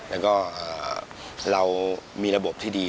แล้วก็เรามีระบบที่ดี